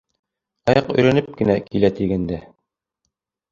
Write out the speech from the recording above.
— Аяҡ өйрәнеп кенә килә тигәндә...